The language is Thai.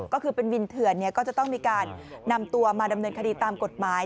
ก็คือเป็นวินเถื่อนก็จะต้องมีการนำตัวมาดำเนินคดีตามกฎหมาย